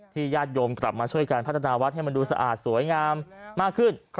ญาติโยมกลับมาช่วยการพัฒนาวัดให้มันดูสะอาดสวยงามมากขึ้น